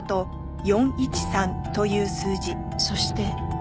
そして